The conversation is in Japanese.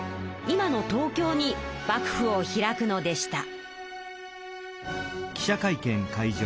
今の東京に幕府を開くのでした。